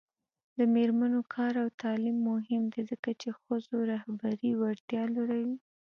د میرمنو کار او تعلیم مهم دی ځکه چې ښځو رهبري وړتیا لوړوي